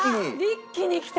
一気にきた！